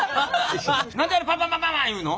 何であれパパパパ言うの？